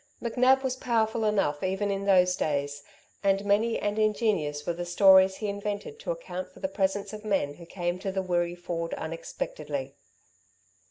McNab was powerful enough even in those days, and many and ingenious were the stories he invented to account for the presence of men who came to the Wirree Ford unexpectedly.